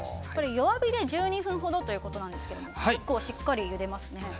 弱火で１２分ほどということなんですが結構しっかりゆでますね。